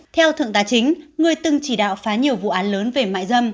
theo thượng tá chính người từng chỉ đạo phá nhiều vụ án lớn về mại dâm